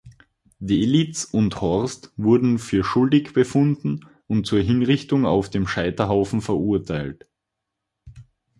Delitz und Horst wurden für schuldig befunden und zur Hinrichtung auf dem Scheiterhaufen verurteilt.